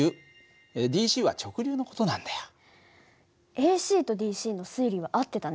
ＡＣとＤＣの推理は合ってたね。